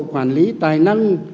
quản lý tài năng